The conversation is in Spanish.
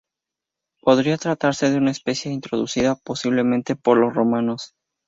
Podría tratarse de una especie introducida, posiblemente por los romanos.